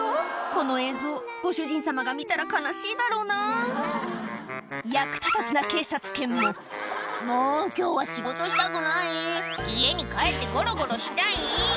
この映像ご主人様が見たら悲しいだろうな役立たずな警察犬も「もう今日は仕事したくない家に帰ってゴロゴロしたい」